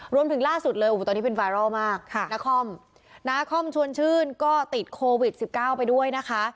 รวมถึงล่าสุดเลยอู๋ตอนนี้เป็นไฟรอลมากค่ะนาคอมนาคอมชวนชื่นก็ติดโควิดสิบเก้าไปด้วยนะคะ